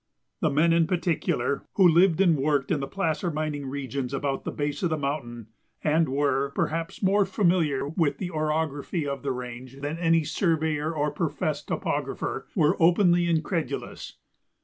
The men, in particular, who lived and worked in the placer mining regions about the base of the mountain, and were, perhaps, more familiar with the orography of the range than any surveyor or professed topographer, were openly incredulous.